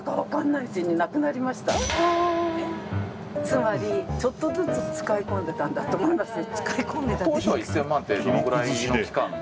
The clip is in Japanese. つまり、ちょっとずつ使い込んでいたんだと思います。